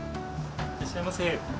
いらっしゃいませ。